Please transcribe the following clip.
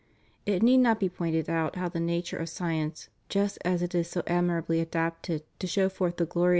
It need not be pointed out how the nature of science, just as it is so admirably adapted to show forth the glorj.'